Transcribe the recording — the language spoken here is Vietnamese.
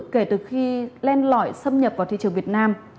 kể từ khi len lỏi xâm nhập vào thị trường việt nam